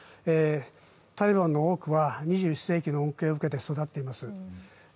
タリバンの多くは２１世紀の恩恵を受けて育っています。